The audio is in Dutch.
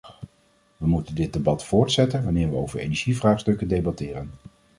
We moeten dit debat voortzetten wanneer we over energievraagstukken debatteren.